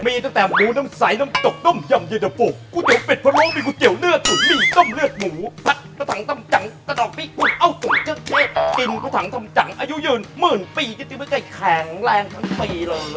กินผัวถังทำจังอายุหยื่นหมื่นปีก็จะไม่ไกลแข็งแรงทั้งปีเลย